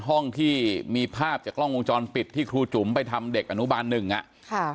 ห้องที่มีภาพจากกล้องวงจรปิดที่ครูจุ๋มไปทำเด็กอนุบาลหนึ่งอ่ะค่ะ